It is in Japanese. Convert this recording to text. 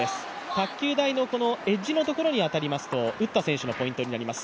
卓球台のエッジのところに当たりますと打った選手のポイントになります。